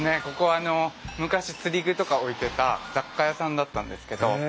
ここは昔釣り具とか置いてた雑貨屋さんだったんですけど。